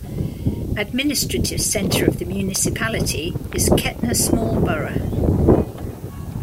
Administrative centre of the municipality is Kehtna small borough.